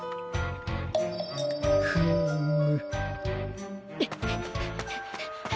フーム。